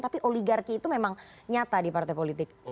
tapi oligarki itu memang nyata di partai politik